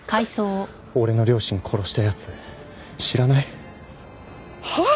俺の両親を殺した奴知らない？はあ！？